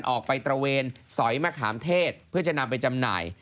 ออกไปตระเวนสอยมะขามเทศเพื่อจะนำไปจำหน่าย